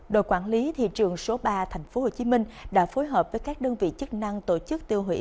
đội quản lý thị trường số ba tp hcm đã phối hợp với các đơn vị chức năng tổ chức tiêu hủy